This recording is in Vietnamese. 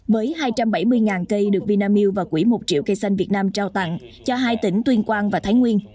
với hai trăm bảy mươi cây được vinamilk và quỹ một triệu cây xanh việt nam trao tặng cho hai tỉnh tuyên quang và thái nguyên